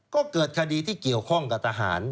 ก็เกิดคดีที่เกี่ยวข้องกับทหาร